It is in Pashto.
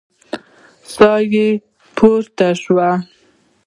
ساه يې پورته شوه.